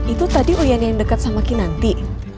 itu tadi uyan yang dekat sama kinanti